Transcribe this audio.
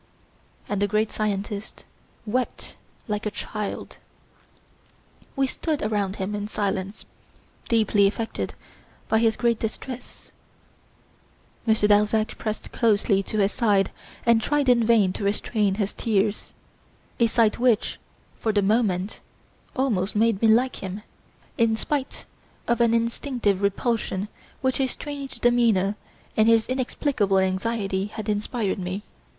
And the great scientist wept like a child. We stood around him in silence, deeply affected by his great distress. Monsieur Darzac pressed closely to his side, and tried in vain to restrain his tears a sight which, for the moment, almost made me like him, in spite of an instinctive repulsion which his strange demeanour and his inexplicable anxiety had inspired me.